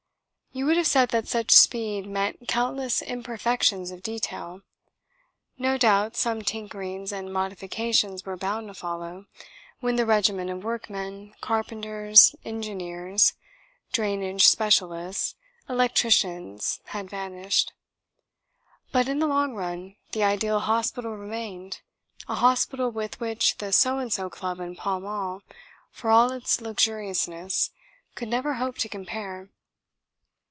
You would have said that such speed meant countless imperfections of detail. No doubt some tinkerings and modifications were bound to follow, when the regiment of workmen, carpenters, engineers, drainage specialists, electricians, had vanished. But, in the long run, the ideal hospital remained a hospital with which the So and So Club in Pall Mall, for all its luxuriousness, could never hope to compare.